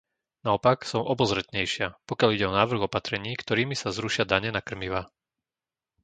Naopak som obozretnejšia, pokiaľ ide o návrh opatrení, ktorými sa zrušia dane na krmivá.